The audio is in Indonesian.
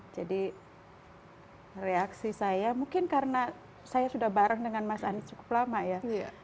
jadi reaksi saya mungkin karena saya sudah bareng dengan mas anies cukup lama ya